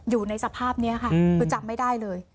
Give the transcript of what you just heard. อยู่ในสภาพนี้ค่ะคือจำไม่ได้เลย